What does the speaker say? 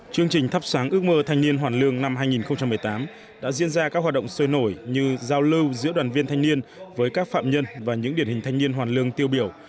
chương trình thắp sáng ước mơ thanh niên hoàn lương năm hai nghìn một mươi tám đã diễn ra các hoạt động sôi nổi như giao lưu giữa đoàn viên thanh niên với các phạm nhân và những điển hình thanh niên hoàn lương tiêu biểu